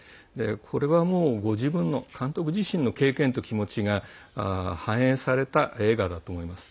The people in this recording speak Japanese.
これはご自分の監督自身の経験と気持ちが反映された映画だと思います。